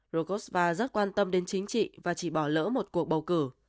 rogosva rất quan tâm đến chính trị và chỉ bỏ lỡ một cuộc bầu cử